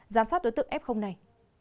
giám sát đối tượng f này